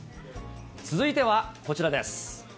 続いてはこちらです。